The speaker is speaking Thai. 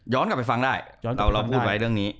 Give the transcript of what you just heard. ย้อนกลับไปฟังได้เราพูดไปเรื่องนี้